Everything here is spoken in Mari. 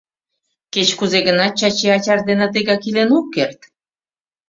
Кеч-кузе гынат, Чачи ачаж дене тегак илен ок керт...